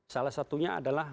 salah satunya adalah